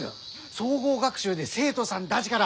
総合学習で生徒さんだぢがら